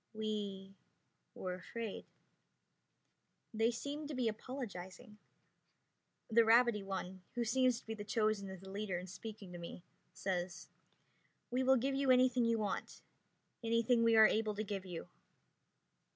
"We were afraid." They seem to be apologizing. The rabbity one, who seems to be chosen as the leader in speaking to me, says, "We will give you anything you want. Anything we are able to give you."